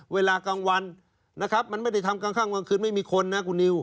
เวลากลางวันมันไม่ได้ทำฝั่งคลั่งคล้างคืนไม่มีคนนะคุณนิว